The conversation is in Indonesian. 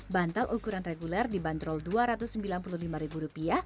bantal ukuran reguler dibanderol rp dua ratus sembilan puluh lima